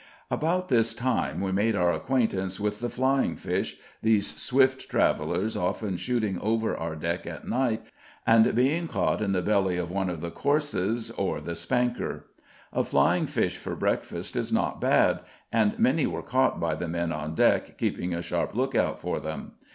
About this time we made our acquaintance with the flying fish, these swift travellers often shooting over our deck at night and being caught in the belly of one of the courses or the spanker. A flying fish for breakfast is not bad, and many were caught by the men on deck keeping a sharp lookout for them.